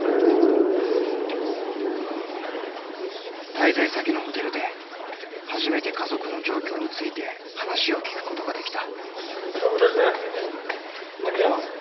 滞在先のホテルで初めて家族の状況について話を聞くことができた。